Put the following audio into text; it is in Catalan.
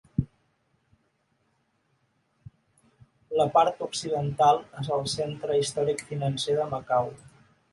La part occidental és el centre històric financer de Macau.